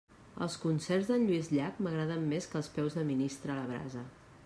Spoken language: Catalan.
Els concerts d'en Lluís Llach m'agraden més que els peus de ministre a la brasa.